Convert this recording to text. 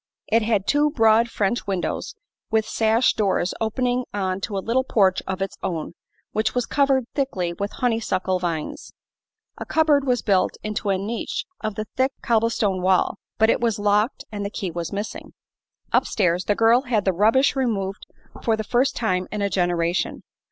It had two broad French windows with sash doors opening on to a little porch of its own which was covered thickly with honeysuckle vines. A cupboard was built into a niche of the thick cobble stone wall, but it was locked and the key was missing. Upstairs the girl had the rubbish removed for the first time in a generation.